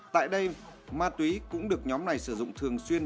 tại đây ma túy cũng được nhóm này sử dụng thường xuyên